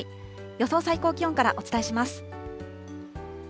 予想最高気温からお伝えします。